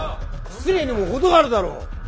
失礼にも程があるだろ！